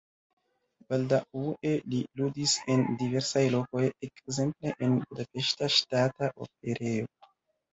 Baldaŭe li ludis en diversaj lokoj, ekzemple en Budapeŝta Ŝtata Operejo.